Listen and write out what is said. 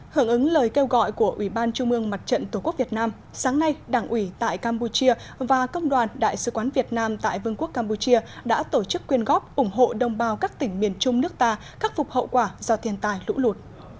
hưởng ứng lời kêu gọi của ủy ban trung ương mặt trận tổ quốc việt nam sáng nay đảng ủy tại campuchia và công đoàn đại sứ quán việt nam tại vương quốc campuchia đã tổ chức quyên góp ủng hộ đồng bào các tỉnh miền trung nước ta khắc phục hậu quả do thiền tài lũ lụt